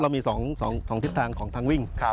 เรามี๒ทิศทางของทางวิ่ง